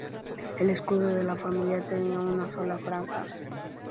El escudo de la familia tenía una sola franja.